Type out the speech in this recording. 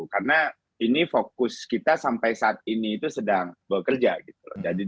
karena ini fokus kita sampai saat ini itu sedang bekerja gitu loh